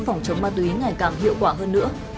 phòng chống ma túy ngày càng hiệu quả hơn nữa